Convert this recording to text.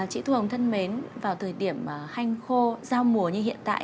chị thu hồng thân mến vào thời điểm hành khô giao mùa như hiện tại